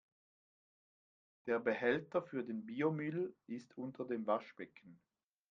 Der Behälter für den Biomüll ist unter dem Waschbecken.